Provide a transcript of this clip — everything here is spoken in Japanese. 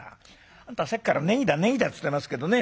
あんたさっきから『ネギだネギだ』って言ってますけどね